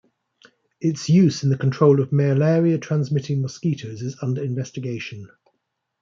Its use in the control of malaria-transmitting mosquitos is under investigation.